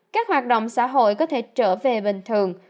các hoạt động xã hội có thể trở về bình thường